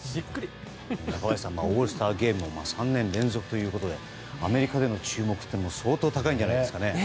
中林さんオールスターゲーム３年連続ということでアメリカでの注目も相当、高いんじゃないですかね。